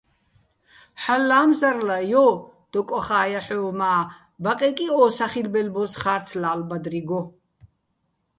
"ჰალო̆ ლა́მზარლა, ჲო!" - დო კოხა́ ჲაჰ̦ოვ, მა ბაყეკი ო სახილბელ ბოს ხა́რცლა́ლო̆ ბადრიგო.